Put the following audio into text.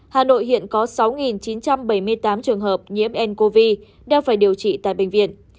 hà nội hiện có sáu chín trăm bảy mươi tám trường hợp nhiễm ncov đang phải điều trị tại bệnh viện